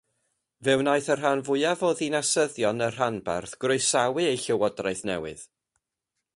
Fe wnaeth y rhan fwyaf o ddinasyddion y rhanbarth groesawu eu llywodraeth newydd.